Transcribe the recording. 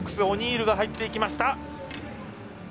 オニールが入っていきました。